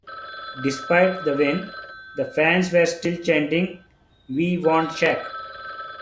Despite the win, the fans were still chanting We want Shack!